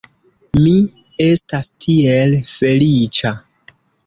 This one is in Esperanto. Mi estas tiel feliĉa!